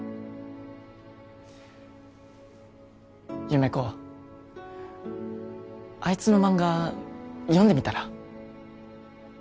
優芽子あいつの漫画読んでみたら？